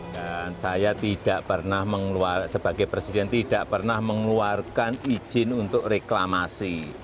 dan saya tidak pernah mengeluarkan sebagai presiden tidak pernah mengeluarkan izin untuk reklamasi